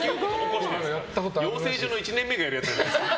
養成所の１年目がやるやつじゃないですか。